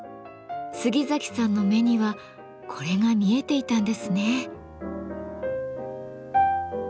杉崎さんの目にはこれが見えていたんですね。